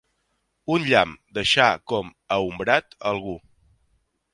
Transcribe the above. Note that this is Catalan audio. Un llamp, deixar com aombrat algú.